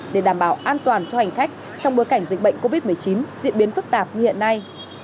để đảm bảo an toàn cho hành khách trong bối cảnh dịch bệnh covid một mươi chín diễn biến phức tạp như hiện nay